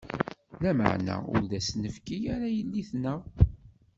-Lameɛna ur d as-nefki ara yelli-tneɣ.